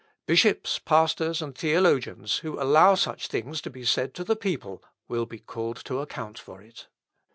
"Bishops, pastors, and theologians, who allow such things to be said to the people, will be called to account for it.